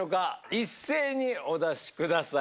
一斉にお出しください。